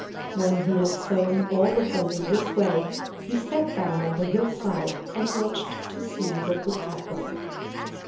When he had sown all of them in this way, he sat down on the hillside and watched to see what would happen.